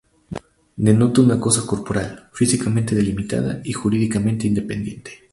Denota una cosa corporal, físicamente delimitada y jurídicamente independiente.